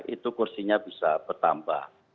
itu kursinya bisa bertambah